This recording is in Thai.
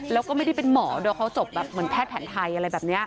แล้วก็ไม่ได้เป็นหมอโดยเขาจบแบบเหมือนแพทย์แผนไทยอะไรแบบนี้